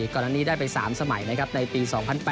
ก่อนอันนี้ได้ไป๓สมัยนะครับในปี๒๐๐๘